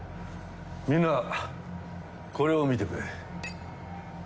みんなこれを見てくれ。